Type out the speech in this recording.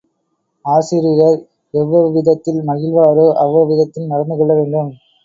ஆசிரியர் எவ்வெவ்விதத்தில் மகிழ்வாரோ அவ்வவ்விதத்தில் நடந்து கொள்ள வேண்டும்.